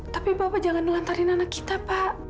tapi bapak jangan nelantarin anak kita pak